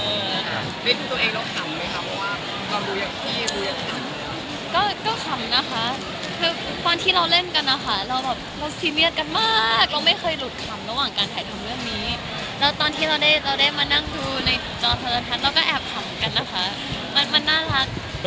เล่นด้วยตัวเองแล้วขำไหมครับ